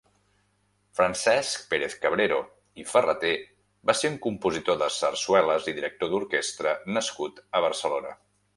Francesc Pérez-Cabrero i Ferrater va ser un compositor de sarsueles i director d'orquestra nascut a Barcelona.